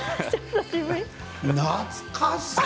懐かしか。